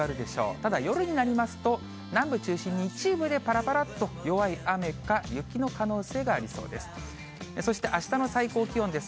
ただ夜になりますと、南部中心に、一部でぱらぱらっと弱い雨か雪の可能性がありそうです。